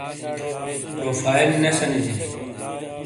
پروفائیل نے سَنِیجیلی۔